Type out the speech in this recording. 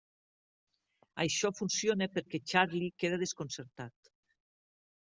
Això funciona perquè Charlie queda desconcertat.